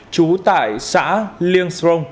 chú tại xã liên xrong